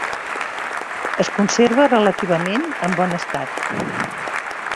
Es conserva relativament en bon estat.